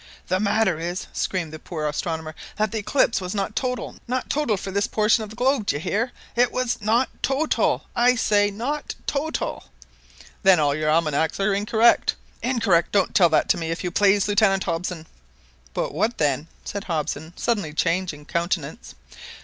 "The matter is," screamed the poor astronomer, "that the eclipse was not total not total for this portion of the globe! Do you hear? It was not to t a 1! I say not to t a l! !" "Then your almanacs are incorrect." "Incorrect! Don't tell that to me, if you please, Lieutenant Hobson !" "But what then?" said Hobson, suddenly changing countenance.